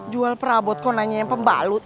jual perabot kok nanya yang pembalut